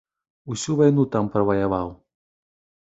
Усю вайну там праваяваў.